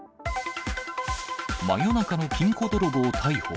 真夜中の金庫泥棒逮捕。